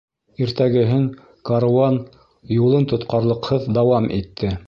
Иртәгеһен каруан юлын тотҡарлыҡһыҙ дауам итте.